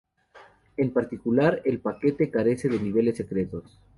En particular, el paquete carece de niveles secretos.